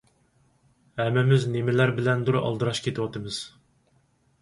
ھەممىمىز نېمىلەر بىلەندۇر ئالدىراش كېتىۋاتىمىز.